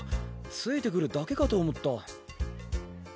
ついてくるだけかと思った。